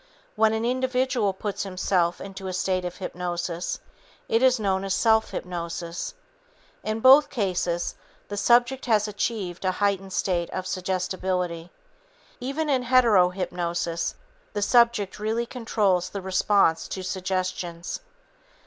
When an individual puts himself into a state of hypnosis, it is known as self hypnosis. In both cases, the subject has achieved a heightened state of suggestibility. Even in hetero hypnosis, the subject really controls the response to suggestions.